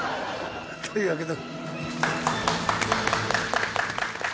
というわけで。